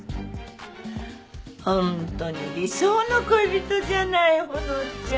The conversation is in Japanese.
ホントに理想の恋人じゃないほのちゃん。